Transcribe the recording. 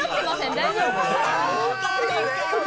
大丈夫？